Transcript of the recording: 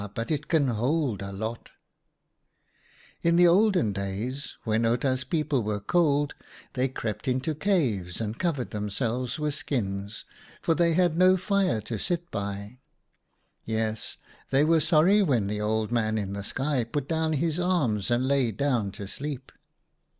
but it can hold a lot !" In the olden days, when Outa's people were cold they crept into caves and covered themselves with skins, for they had no fire to sit by. Yes, they were sorry when the Old Man in the sky put down his arms and lay down to sleep."